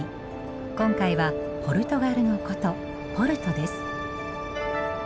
今回はポルトガルの古都ポルトです。